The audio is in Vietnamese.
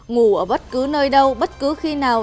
ngủ ở bất cứ nơi đâu bất cứ khi nào